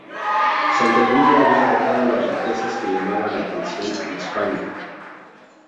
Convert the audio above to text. Santo Domingo había agotado las riquezas que llamaban la atención en España.